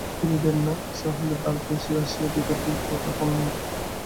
কাহাকেও ঢুকিতে দেন না, ইচ্ছা হইলে দ্বারদেশে আসিয়া ভিতর থেকে কথা কন মাত্র।